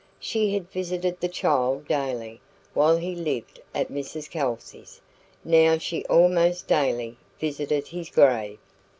She had visited the child daily while he lived at Mrs Kelsey's; now she almost daily visited his grave.